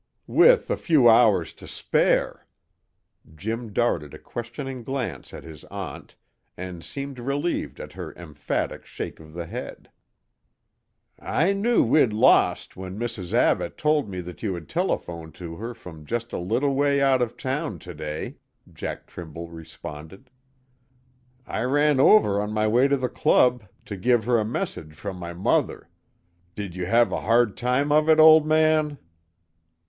"With a few hours to spare." Jim darted a questioning glance at his aunt, and seemed relieved at her emphatic shake of the head. "I knew we'd lost when Mrs. Abbott told me that you had telephoned to her from just a little way out of town to day," Jack Trimble responded. "I ran over on my way to the club to give her a message from my mother. Did you have a hard time of it, old man?"